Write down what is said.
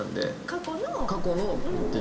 過去のっていう事。